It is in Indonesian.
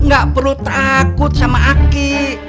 gak perlu takut sama aki